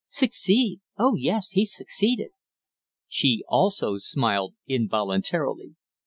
"Succeed? Oh yes, he succeeded." She also smiled involuntarily.